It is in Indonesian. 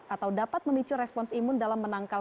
atau dapat memicu respons imun dalam menangkal